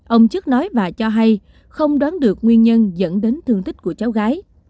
ông chức nói và cho hay không đoán được nguyên nhân dẫn đến thương tích của cháu gái